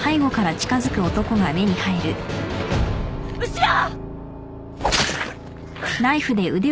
後ろ！